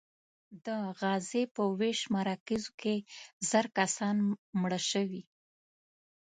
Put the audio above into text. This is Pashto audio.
د غزې په ویش مراکزو کې زر کسان مړه شوي.